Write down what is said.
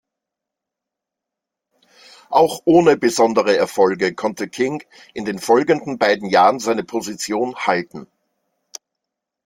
Auch ohne besondere Erfolge konnte King in den folgenden beiden Jahren seine Position halten.